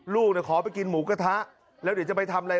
ลูกขอไปกินหมูกระทะแล้วเดี๋ยวจะไปทำอะไร